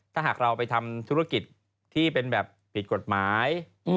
ถ้าหากเราไปทำธุรกิจที่เป็นแบบผิดกฎหมาย